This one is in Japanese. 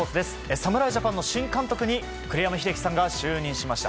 侍ジャパンの新監督に栗山英樹さんが就任しました。